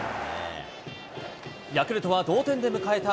ヤクルトは同点で迎えた